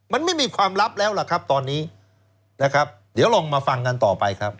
มันไม่มีความลับแล้วล่ะครับตอนนี้นะครับเดี๋ยวลองมาฟังกันต่อไปครับ